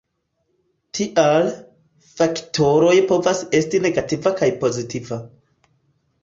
Tial, faktoroj povas esti negativa kaj pozitiva.